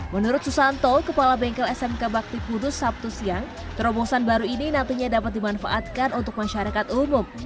menurut susanto kepala bengkel smk bakti kudus sabtu siang terobosan baru ini nantinya dapat dimanfaatkan untuk masyarakat umum